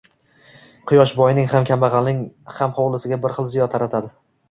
Quyosh boyning ham, kambag‘alning ham hovlisiga bir xil ziyo taratadi.